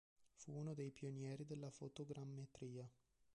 Fu uno dei pionieri della fotogrammetria.